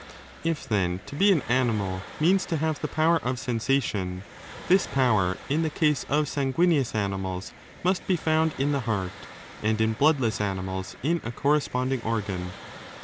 If, then, to be an animal means to have the power of sensation, this power in the case of sanguineous animals must be found in the heart and in bloodless animals in 3 a corresponding organ.